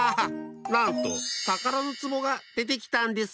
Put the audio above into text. なんとたからのつぼがでてきたんです！